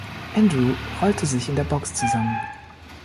Andrew rollte sich in der Box zusammen.